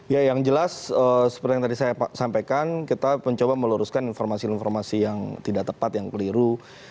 ya yang jelas seperti yang tadi saya sampaikan kita mencoba meluruskan informasi informasi yang tidak tepat yang keliru